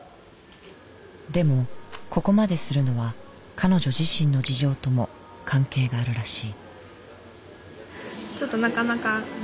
でもここまでするのは彼女自身の事情とも関係があるらしい。